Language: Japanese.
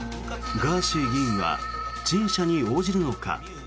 ガーシー議員は陳謝に応じるのか。